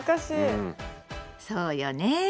そうよね。